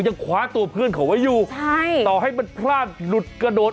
ยังคว้าตัวเพื่อนเขาไว้อยู่ใช่ต่อให้มันพลาดหลุดกระโดด